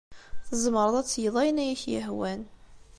Tzemreḍ ad tgeḍ ayen ay ak-yehwan.